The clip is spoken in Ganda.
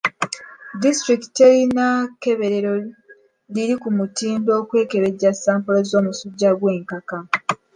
Disitulikiti teyina kkeberero liri ku mutindo okwekebejja sampolo z'omusujja gw'enkaka.